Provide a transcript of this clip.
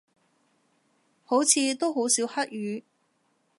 好似都好少黑雨